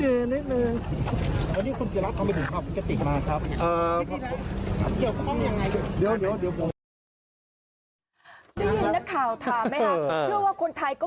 ได้ยินนักข่าวถามไหมคะเชื่อว่าคนไทยก็